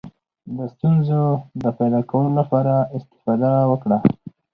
د ستونزو د پیدا کولو لپاره استفاده وکړه.